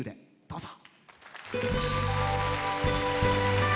どうぞ。